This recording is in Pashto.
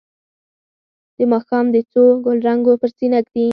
د ماښام د څو ګلرنګو پر سینه ږدي